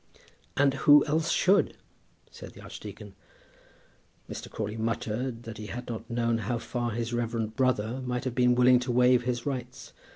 "And who else should?" said the archdeacon. Mr. Crawley muttered that he had not known how far his reverend brother might have been willing to waive his rights.